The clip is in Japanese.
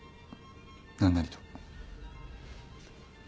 何なりと。